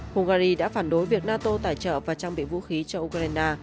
hungary đã phản đối việc nato tài trợ và trang bị vũ khí cho ukraine